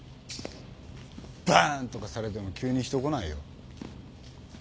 バン！とかされても急に人来ないよ。